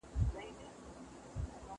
زه اجازه لرم چي سبزېجات وخورم.